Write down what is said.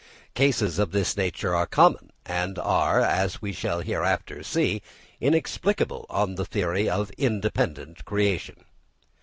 Cases of this nature are common, and are, as we shall hereafter see, inexplicable on the theory of independent creation.